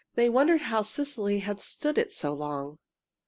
They wondered how Cecily had stood it so long.